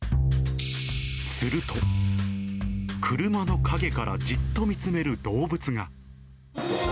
すると、車の陰からじっと見つめる動物が。